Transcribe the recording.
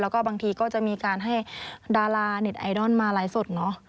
แล้วก็บางทีก็จะมีการให้ดาราเน็ตไอดอลมาไลฟ์สดเนอะ